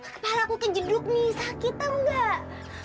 kepala aku kejeduk nih sakit amgak